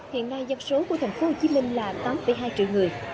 hiện nay dân số của tp hcm là tám hai triệu người